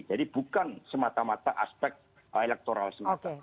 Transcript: jadi bukan semata mata aspek elektoral semata